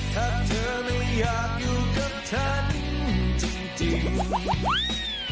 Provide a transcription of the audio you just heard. ถ้าเธอไม่อยากอยู่กับฉันจริง